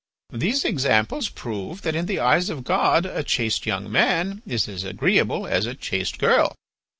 These examples prove that in the eyes of God a chaste young man is as agreeable as a chaste girl.